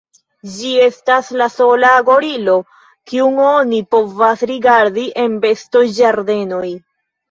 Ĝi estas la sola gorilo, kiun oni povas rigardi en bestoĝardenoj.